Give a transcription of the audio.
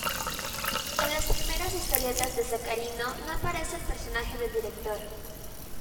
En las primeras historietas de Sacarino no aparece el personaje del director.